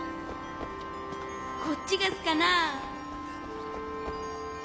こっちがすかな？